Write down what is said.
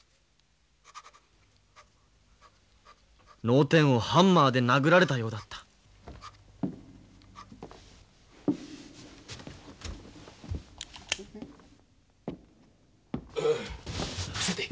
脳天をハンマーで殴られたようだった・伏せて。